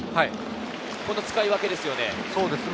この使い分けですよね。